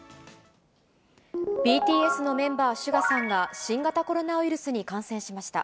ＢＴＳのメンバー、ＳＵＧＡさんが新型コロナウイルスに感染しました。